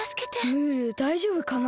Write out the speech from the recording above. ムールだいじょうぶかな？